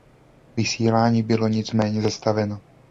Vysílání bylo nicméně zastaveno.